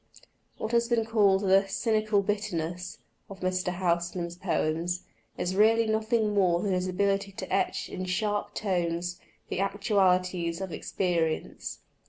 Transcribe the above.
What has been called the "cynical bitterness" of Mr. Housman's poems, is really nothing more than his ability to etch in sharp tones the actualities of experience.